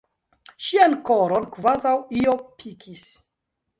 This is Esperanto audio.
Ŝian koron kvazaŭ io pikis.